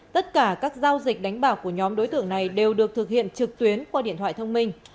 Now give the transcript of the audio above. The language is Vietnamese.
tất cả các giao dịch đánh bạc của nhóm đối tượng này đều được thực hiện trực tuyến qua điện thoại thông minh